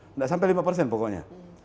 tidak sampai lima persen pokoknya